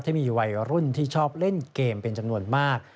ที่มีวัยรุ่นที่ชอบเล่นเกมเป็นจำนวนมาก